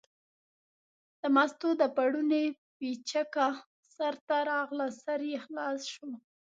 د مستو د پړوني پیڅکه سر ته راغله، سر یې خلاص شو.